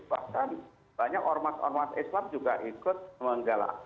bahkan banyak ormat ormat islam juga ikut menggalak